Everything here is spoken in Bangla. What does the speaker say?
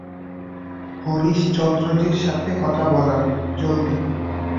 হরিশচন্দ্রজির সাথে কথা বলান, জলদি!